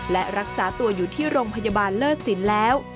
และรักษาตัวอยู่ที่โรงพยาบาลเลิศสินแล้ว